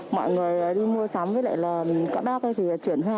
mọi người đi mua sắm với lại là các bác thì chuyển ra